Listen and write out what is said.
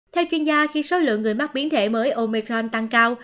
theo chuyên gia khi số lượng người mắc biến thể mới omecron tăng cao